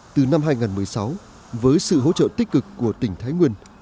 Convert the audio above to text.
từ năm hai nghìn một mươi sáu với sự hỗ trợ tích cực của tỉnh thái nguyên